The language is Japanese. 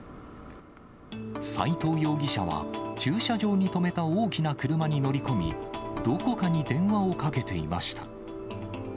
斉藤容疑者は、駐車場に止めた大きな車に乗り込み、どこかに電話をかけていました。